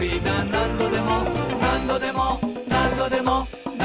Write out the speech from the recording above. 「なんどでもなんどでもなんどでも」